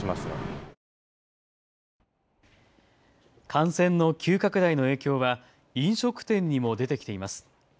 感染の急拡大の影響は飲食店にも出てきています。